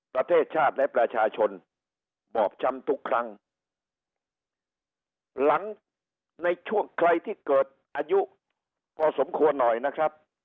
ประเทศชาติและประชาชนบอบช้ำทุกครั้งหลังในช่วงใครที่เกิดอายุพอสมควรหน่อยนะครับ